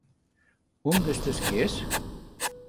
Un d'estes quiers?